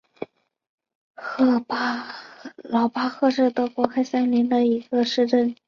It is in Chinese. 劳巴赫是德国黑森州的一个市镇。